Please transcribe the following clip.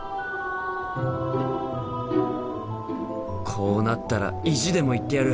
こうなったら意地でも行ってやる！